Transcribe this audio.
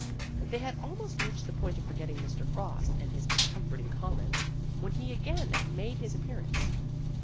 They had almost reached the point of forgetting Mr. Frost and his discomforting comments, when he again made his appearance.